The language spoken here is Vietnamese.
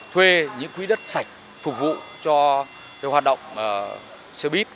thuê những quý đất sạch phục vụ cho hoạt động xe buýt